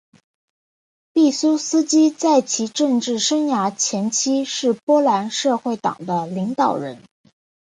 毕苏斯基在其政治生涯前期是波兰社会党的领导人。